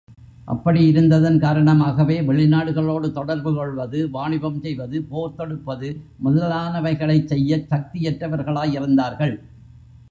அப்படியிருந்ததின் காரணமாகவே, வெளிநாடுகளோடு தொடர்புகொள்வது, வாணிபஞ் செய்வது, போர் தொடுப்பது முதலானவைகளைச் செய்யச் சக்தியற்றவர்களாயிருந்தார்கள்.